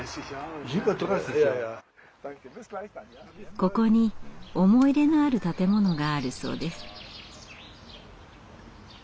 ここに思い入れのある建物があるそうです。